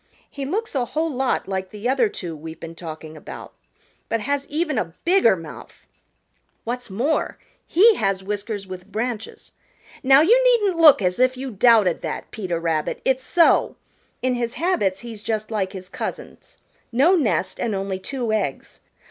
He looks a whole lot like the other two we've been talking about, but has even a bigger mouth. What's more, he has whiskers with branches. Now you needn't look as if you doubted that, Peter Rabbit; it's so. In his habits he's just like his cousins, no nest and only two eggs.